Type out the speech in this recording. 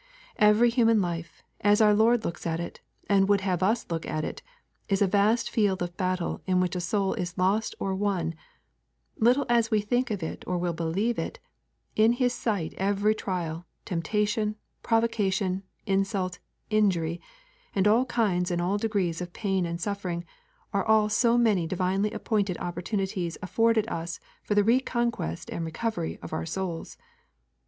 Every human life, as our Lord looks at it, and would have us look at it, is a vast field of battle in which a soul is lost or won; little as we think of it or will believe it, in His sight every trial, temptation, provocation, insult, injury, and all kinds and all degrees of pain and suffering, are all so many divinely appointed opportunities afforded us for the reconquest and recovery of our souls.